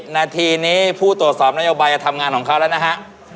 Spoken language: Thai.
นาทีนี้ผู้ตรวจสอบนโยบายทำงานของเขาแล้วนะฮะ